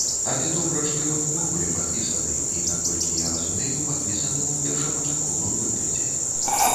Але добра, што ён увогуле падпісаны, і, наколькі я разумею, падпісаны ў першапачатковым выглядзе.